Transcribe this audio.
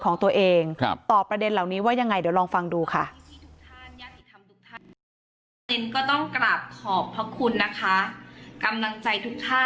ของตัวเองตอบประเด็นเหล่านี้ว่ายังไง